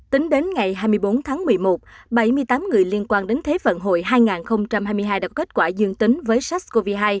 tính đến ngày hai mươi bốn tháng một mươi một bảy mươi tám người liên quan đến thế phận hội hai nghìn hai mươi hai đã kết quả dương tính với sars cov hai